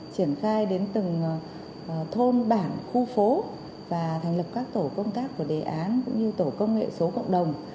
triển khai đến từng thôn bản khu phố và thành lập các tổ công tác của đề án cũng như tổ công nghệ số cộng đồng